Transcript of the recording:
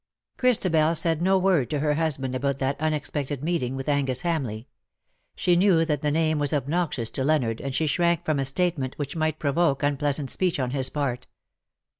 Christabel said no word to her husband about that unexpected meeting with Angus Hamleigh. She knew that the name was obnoxious to Leonard, and she shrank from a statement which might pro voke unpleasant speech on his part.